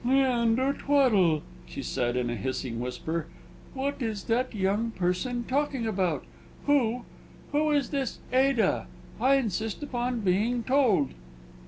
"Leander Tweddle," she said, in a hissing whisper, "what is that young person talking about? Who who is this 'Ada'? I insist upon being told."